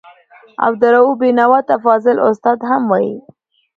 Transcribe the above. عبدالرؤف بېنوا ته فاضل استاد هم وايي.